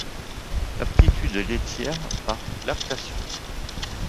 L'aptitude laitière, par lactation.